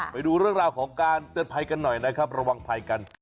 ไปดูเรื่องราวของการเตือนภัยกันหน่อยนะครับระวังภัยกัน